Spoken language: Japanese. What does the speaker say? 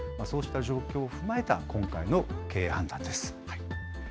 そうした状況を踏まえた今回の経営判断です。